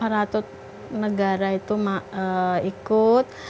ratu negara itu ikut